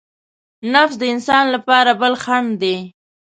نفس د انسان لپاره بل خڼډ دی.